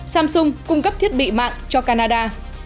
samsung cung cấp thiết bị mạng cho canada